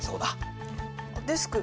デスク。